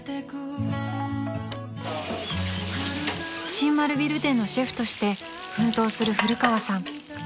［新丸ビル店のシェフとして奮闘する古川さん］